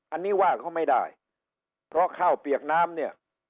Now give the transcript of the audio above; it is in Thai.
อันนี้ว่าเขาไม่ได้เพราะข้าวเปียกน้ำเนี่ย